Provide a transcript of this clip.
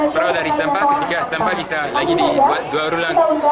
peraw dari sampah ketika sampah bisa lagi di dua ulang